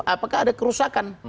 apakah ada kerusakan